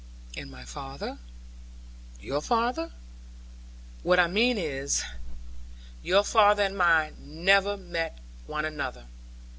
'And my father your father what I mean is ' 'Your father and mine never met one another.